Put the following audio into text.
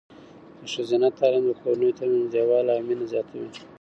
د ښځینه تعلیم د کورنیو ترمنځ نږدېوالی او مینه زیاتوي.